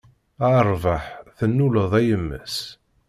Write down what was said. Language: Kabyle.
A rrbeḥ tennuleḍ a yemma-s.